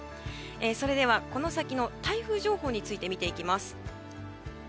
それではこの先の台風情報を見ていきます。